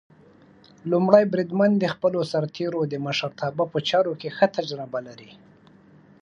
لومړی بریدمن د خپلو سرتېرو د مشرتابه په چارو کې ښه تجربه لري.